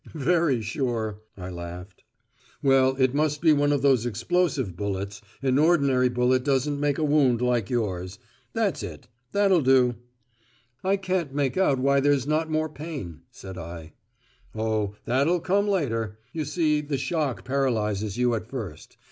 "Very sure," I laughed. "Well, it must be one of these explosive bullets, an ordinary bullet doesn't make a wound like yours. That's it. That'll do." "I can't make out why there's not more pain," said I. "Oh, that'll come later. You see the shock paralyses you at first.